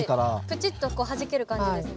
プチッとはじける感じですね。